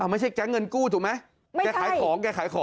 อ่าไม่ใช่แจ๊งเงินกู้ถูกไหมไม่ใช่แกขายของแกขายของ